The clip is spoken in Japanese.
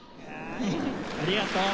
ありがとう。